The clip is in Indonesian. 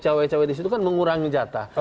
cewek cewek disitu kan mengurangi jatah